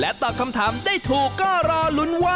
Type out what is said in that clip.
๓ไวโอลิน